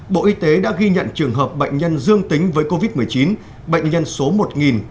bộ y tế đã ghi nhận trường hợp bệnh nhân dương tính với covid một mươi chín bệnh nhân số một ba trăm bốn mươi bảy